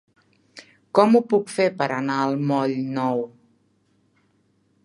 Com ho puc fer per anar al moll Nou?